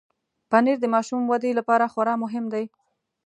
پنېر د ماشوم ودې لپاره خورا مهم دی.